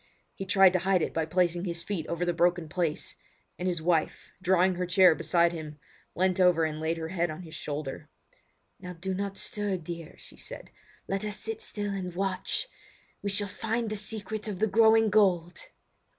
He tried to hide it by placing his feet over the broken place; and his wife, drawing her chair beside him, leant over and laid her head on his shoulder. "Now do not stir, dear," she said; "let us sit still and watch. We shall find the secret of the growing gold!"